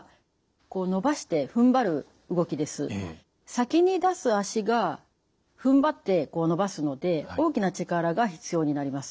先に出す脚がふんばって伸ばすので大きな力が必要になります。